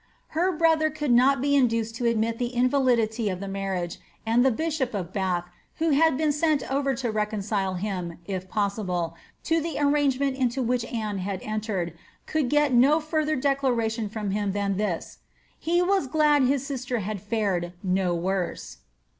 Her brother could not be induced to admit the invalidity of the marriage, and the bishop of Bath, who had been sent over to recon cile him, if possible, to the arrangement into which Anne had entered, could get no further declaration from him than this, ^ He was gbd hit sister had fared no worse."